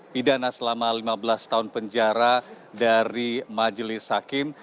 pidana selama lima belas tahun penjara dari majelis hakim